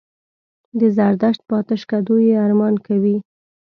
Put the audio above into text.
د زردشت په آتشکدو یې ارمان کوي.